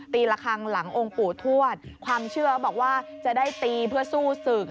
ละครั้งหลังองค์ปู่ทวดความเชื่อบอกว่าจะได้ตีเพื่อสู้ศึก